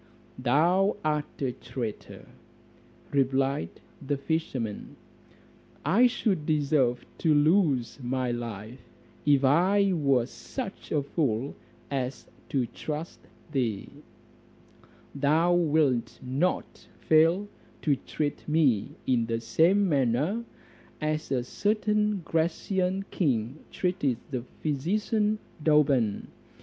"Thou art a traitor," replied the fisherman, "I should deserve to lose my life, if I were such a fool as to trust thee: thou wilt not fail to treat me in the same manner as a certain Grecian king treated the physician Douban.